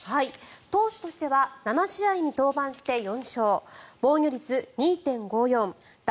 投手としては７試合に登板して４勝防御率２．５４奪